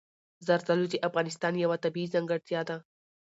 زردالو د افغانستان یوه طبیعي ځانګړتیا ده.